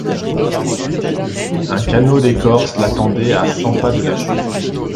Un canot d’écorce l’attendait à cent pas de la chute.